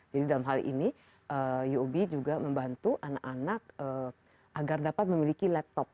jadi dalam hal ini uob juga membantu anak anak agar dapat memiliki laptop